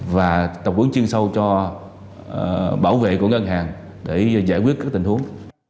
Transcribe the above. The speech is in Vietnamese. và tập hướng chiên sâu cho bảo vệ của ngân hàng để giải quyết các tình huống